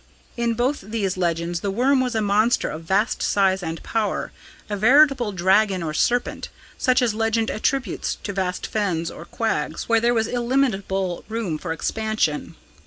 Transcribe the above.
In both these legends the 'worm' was a monster of vast size and power a veritable dragon or serpent, such as legend attributes to vast fens or quags where there was illimitable room for expansion.